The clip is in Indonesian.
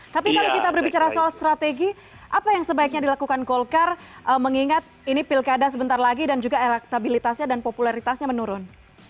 tapi kalau kita berbicara soal strategi apa yang sebaiknya dilakukan golkar mengingat ini pilkada sebentar lagi dan juga elektabilitasnya dan popularitasnya menurun